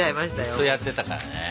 ずっとやってたからね。